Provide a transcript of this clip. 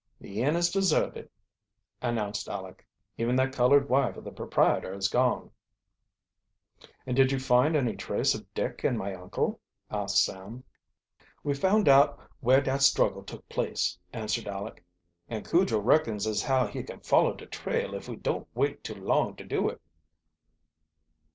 "The inn is deserted," announced Aleck. Even that colored wife of the proprietor is gone. "And did you find any trace of Dick and my uncle?" asked Sam. "We found out where dat struggle took place," answered, Aleck. "And Cujo reckons as how he can follow de trail if we don't wait too long to do it."